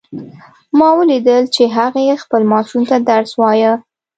ما ولیدل چې هغې خپل ماشوم ته درس وایه